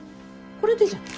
これでいいじゃん。